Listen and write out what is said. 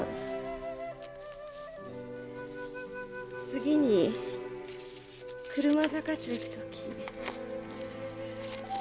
次に車坂町行く時。